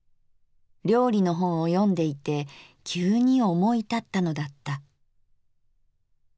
料理の本を読んでいて急に思い立ったのだった。